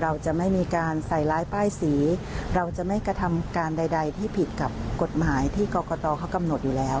เราจะไม่มีการใส่ร้ายป้ายสีเราจะไม่กระทำการใดที่ผิดกับกฎหมายที่กรกตเขากำหนดอยู่แล้ว